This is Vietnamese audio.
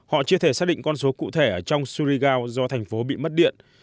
họ chia thể xác định con số cụ thể ở trong surigao do thành phố bị mất điện